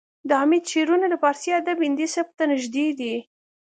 د حمید شعرونه د پارسي ادب هندي سبک ته نږدې دي